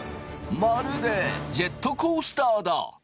まるでジェットコースターだ！